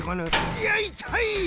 いやいたい！